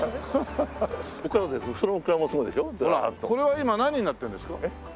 これは今何になってるんですか？